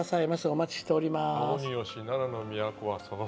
お待ちしております。